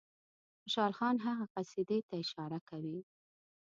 خوشحال خان هغه قصیدې ته اشاره کوي.